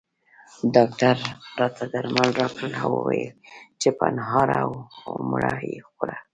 ډاکټر راته درمل راکړل او ویل یې چې په نهاره او مړه یې خوره